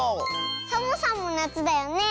サボさんもなつだよねえ？